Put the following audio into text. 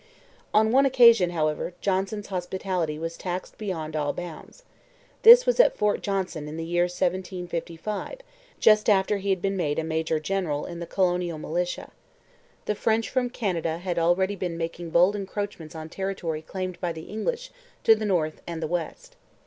On one occasion, however, Johnson's hospitality was taxed beyond all bounds. This was at Fort Johnson in the year 1755, just after he had been made a major general in the colonial militia. The French from Canada had already been making bold encroachments on territory claimed by the English to the north and the west.